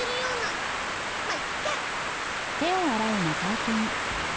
まっいっか！